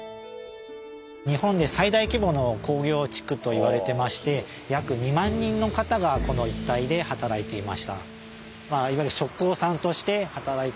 日本で最大規模の工業地区と言われてまして約２万人の方がこの一帯で働いていました。